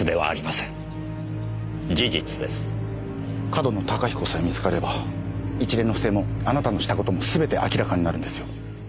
上遠野隆彦さえ見つかれば一連の不正もあなたのした事もすべて明らかになるんですよ。